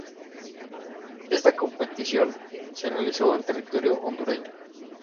Esta competición se realizó en territorio hondureño.